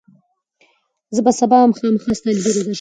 زه به سبا خامخا ستا لیدو ته درشم.